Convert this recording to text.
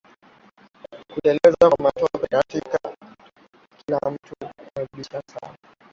Kuteleza kwa matope katikati ya kila mtu inaaibisha sana